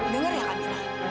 dengar ya kamilah